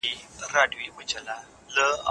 په ټولنه کي په درنښت ژوند وکړئ.